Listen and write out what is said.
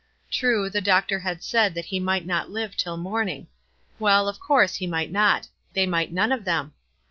True, the doctor had said that he might not live till morning. Well, of course he might not ; they might none of them.